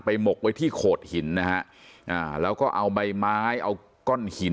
หมกไว้ที่โขดหินนะฮะอ่าแล้วก็เอาใบไม้เอาก้อนหิน